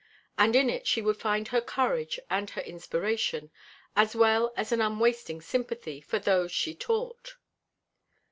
And in it she would find her courage and her inspiration, as well as an unwasting sympathy for those she taught.